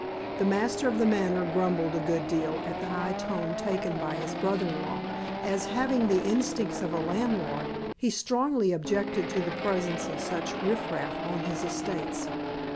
The master of The Manor grumbled a good deal at the high tone taken by his brother in law, as, having the instincts of a landlord, he strongly objected to the presence of such riff raff on his estates.